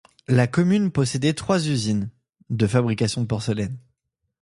La commune possédait trois usines, de fabrication de porcelaine.